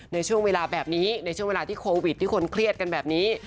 ในช่วงเวลาแบบนี้ในช่วงเวลาที่โควิดที่คนเครียดกันแบบนี้